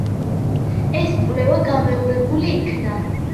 ეს კვლევა გამეორებული იქნა.